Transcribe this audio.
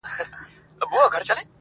په هنیداري کي سړی و تېرایستلی.